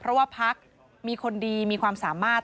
เพราะว่าพักมีคนดีมีความสามารถ